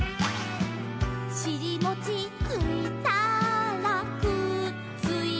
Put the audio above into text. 「しりもちついたらくっついた」